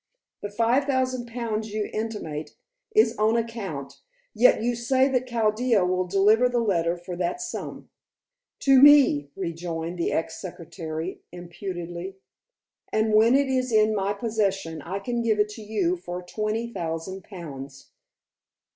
"The five thousand pounds you intimate is on account, yet you say that Chaldea will deliver the letter for that sum." "To me," rejoined the ex secretary impudently. "And when it is in my possession, I can give it to you for twenty thousand pounds."